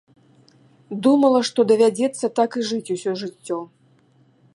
Думала, што давядзецца так і жыць усё жыццё.